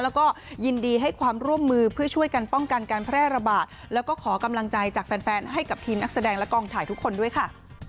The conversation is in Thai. แล้วก็ยินดีให้ความร่วมมือเพื่อช่วยกันป้องกันการแพร่ระบาดแล้วก็ขอกำลังใจจากแฟนให้กับทีมนักแสดงและกองถ่ายทุกคนด้วยค่ะ